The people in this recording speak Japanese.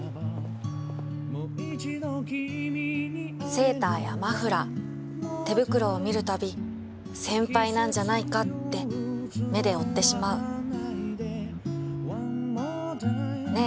セーターやマフラー手袋を見る度先輩なんじゃないかって目で追ってしまうねえ